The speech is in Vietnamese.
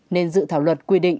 nên dự thảo luật quy định